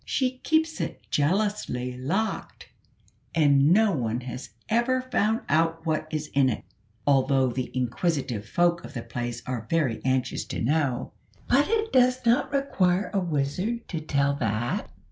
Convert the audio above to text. She keeps it jealously locked, and no one has ever found out what is in it, although the inquisitive folk of the place are very anxious to know. But it does not require a wizard to tell that.